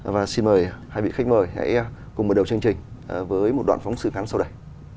và xin mời hai vị khách mời hãy cùng mở đầu chương trình với một đoạn phóng sự ngắn sau đây